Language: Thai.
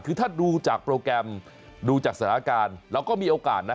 คือถ้าดูจากโปรแกรมดูจากสถานการณ์เราก็มีโอกาสนะ